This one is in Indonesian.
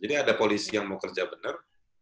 jadi ada polisi yang mau kerja benar